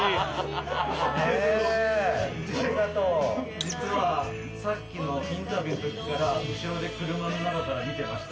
実はさっきのインタビューの時から後ろで車の中から見てました。